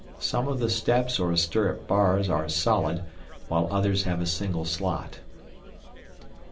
Some of the steps or stirrup bars are solid, while others have a single slot.